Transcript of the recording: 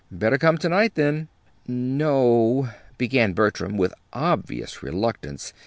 "Better come to night then." "No o," began Bertram, with obvious reluctance.